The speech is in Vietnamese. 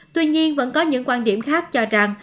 tuy nhiên vẫn có những quan điểm khác cho rằng